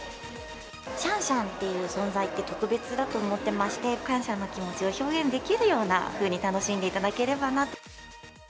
シャンシャンっていう存在って特別だと思ってまして、感謝の気持ちを表現できるように楽しんでいただければなと。